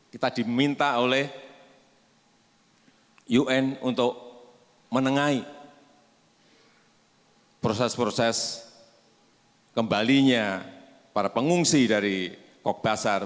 kita diminta oleh un untuk menengahi proses proses kembalinya para pengungsi dari kop basar